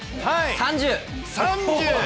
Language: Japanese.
３０？